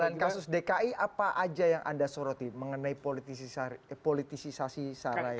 selain kasus dki apa aja yang anda soroti mengenai politisasi sara ini